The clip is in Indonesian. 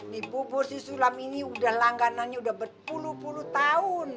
di bubur si sulam ini udah langganannya udah berpuluh puluh tahun